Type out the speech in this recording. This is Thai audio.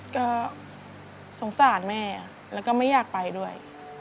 ก็สงสารแม่แล้วก็ไม่อยากไปด้วย